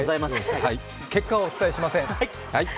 結果はお伝えしません。